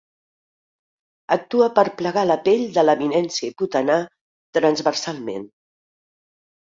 Actua per plegar la pell de l'eminència hipotenar transversalment.